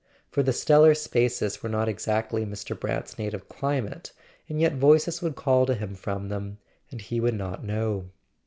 For the stellar spaces were not exactly Mr. Brant's native climate, and yet voices would call to him from them, and he would not know.